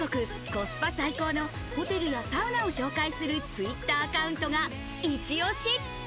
コスパ最高のホテルやサウナを紹介するＴｗｉｔｔｅｒアカウントがイチ押し。